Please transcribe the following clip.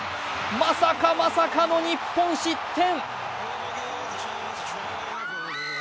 まさか、まさかの日本失点。